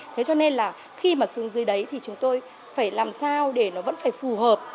thế cho nên là khi mà xuống dưới đấy thì chúng tôi phải làm sao để nó vẫn phải phù hợp